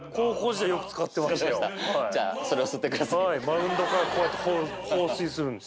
じゃあそれを吸ってください。